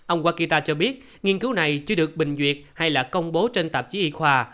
ông arkita cho biết nghiên cứu này chưa được bình duyệt hay là công bố trên tạp chí y khoa